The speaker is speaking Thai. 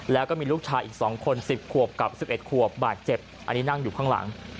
แล้วก็มีลูกชายอีก๒คน๑๐ขวบกับ๑๑ขวบบาดเจ็บอันนี้นั่งอยู่ข้างหลัง